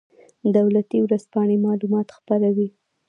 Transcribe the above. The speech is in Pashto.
دولتي ورځپاڼې معلومات خپروي